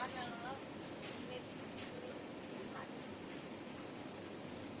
สวัสดีครับ